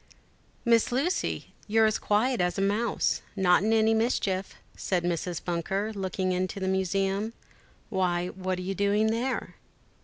"MISS Lucy, you're as quiet as a mouse. Not in any mischief?" said Mrs. Bunker, looking into the museum; "why, what are you doing there?"